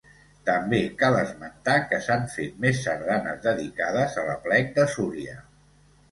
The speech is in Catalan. També cal esmentar que s’han fet més sardanes dedicades a l'Aplec de Súria.